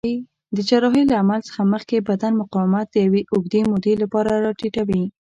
د جراحۍ له عمل څخه مخکې بدن مقاومت د یوې اوږدې مودې لپاره راټیټوي.